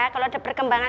kalo ada perkembangan